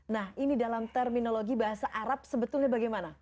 nah ini dalam terminologi bahasa arab sebetulnya bagaimana